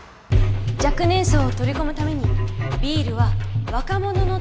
若年層を取り込むためにビールは若者の手にも届きやすい。